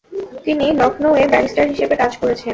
তিনি লখনৌয়ে ব্যারিস্টার হিসেবে কাজ করেছেন।